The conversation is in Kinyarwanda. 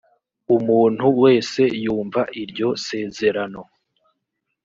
umuntu wese yumva iryo sezerano